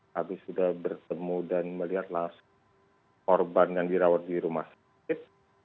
kami sudah bertemu dan melihat langsung korban yang dirawat di rumah sakit